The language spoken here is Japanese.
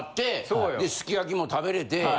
そうよ。ですき焼きも食べれて。